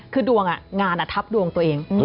คือดวงงานทับดวงตัวเอง